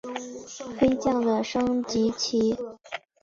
飞将的升级棋。